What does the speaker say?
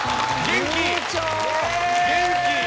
元気。